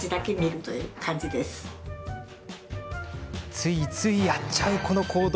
ついついやっちゃう、この行動。